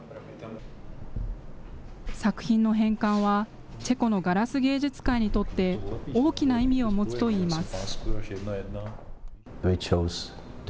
作品の返還は、チェコのガラス芸術界にとって、大きな意味を持つといいます。